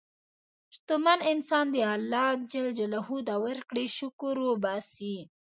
شتمن انسان د الله د ورکړې شکر وباسي.